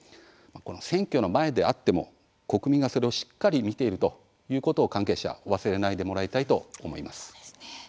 選挙の前であっても国民がそれをしっかり見ているということを関係者忘れないでもらいたいと思います。